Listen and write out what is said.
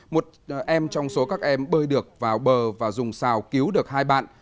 một em trong số các em bơi được vào bờ và dùng xào cứu được hai bạn